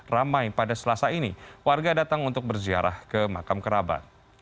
ramai pada selasa ini warga datang untuk berziarah ke makam kerabat